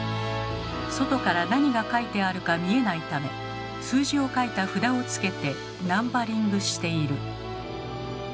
外から何が書いてあるか見えないため数字を書いた札を付けてナンバリングしている。